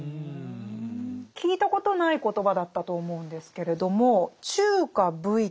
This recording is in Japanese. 聞いたことない言葉だったと思うんですけれども「中夏無為」。